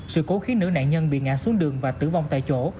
sự cố khiến nữ nạn nhân bị ngã xuống đường và tử vong tại chỗ